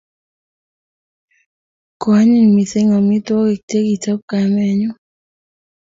Koanyiny missing' amitwogik che kichop kamennyu